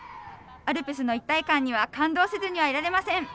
アルプスの一体感には感動せずにはいられません。